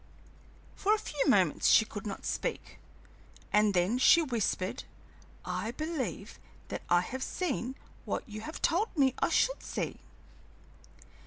For a few moments she could not speak, and then she whispered, "I believe that I have seen what you have told me I should see."